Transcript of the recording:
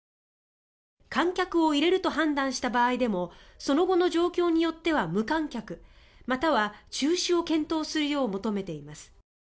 観客を入れると判断した場合でもその後の状況によっては無観客、または中止を検討するよう求めています。